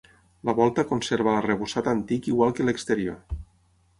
La volta conserva l'arrebossat antic igual que l'exterior.